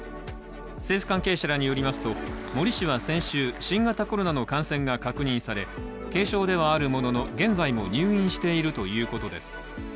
政府関係者らによりますと森氏は先週、新型コロナの感染が確認され軽症ではあるものの、現在も入院しているということです。